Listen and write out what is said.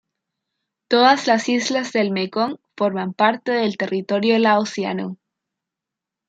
Todas las islas del Mekong forman parte del territorio laosiano.